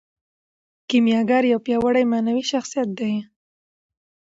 کیمیاګر یو پیاوړی معنوي شخصیت دی.